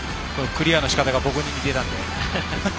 クリアのしかたが僕に似てたんで。